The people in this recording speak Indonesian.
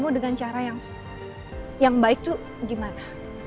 kamu dengan cara yang baik tuh gimana